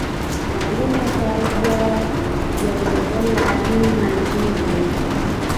تعلیم او تربیه یو د بل لازم او ملزوم دي